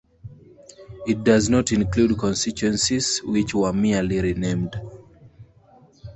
It does not include constituencies which were merely renamed.